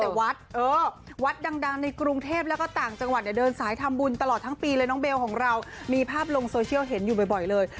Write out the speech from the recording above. แต่วัดเออวัดวัดดังในกรุงเทพแล้วก็ต่างจังหวัดเนี่ยเดินสายทำบุญตลอดทั้งปีเลยน้องเบลของเรามีภาพลงโซเชียลเห็นอยู่บ่อยเลย